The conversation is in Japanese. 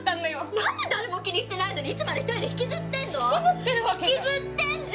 何で誰も気にしてないのにいつまで１人で引きずってんの⁉引きずってるわけじゃ。